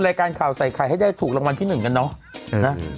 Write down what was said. รายการข่าวใส่ไข่ให้ได้ถูกรางวัลที่๑กันเนอะ